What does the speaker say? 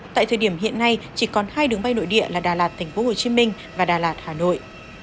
tại thời điểm hiện nay chỉ còn hai đường bay nội địa là đà lạt tp hcm và đà lạt hà nội